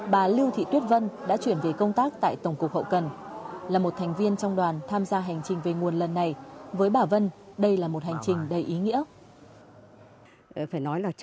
bà lưu thị tuyết vân đã chuyển về công tác tại tổng cục hậu cần là một thành viên trong đoàn tham gia hành trình về nguồn lần này với bà vân đây là một hành trình đầy ý nghĩa